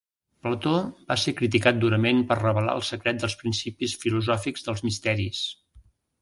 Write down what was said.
Plató va ser criticat durament per revelar el secret dels principis filosòfics dels Misteris.